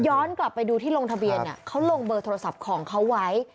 กลับไปดูที่ลงทะเบียนเขาลงเบอร์โทรศัพท์ของเขาไว้